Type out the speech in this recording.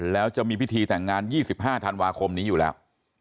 แล้วจะมีพิธีแต่งงาน๒๕ธันวาคมนี้อยู่แล้ว